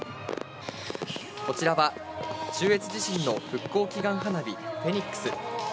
こちらは中越地震の復興祈願花火フェニックス。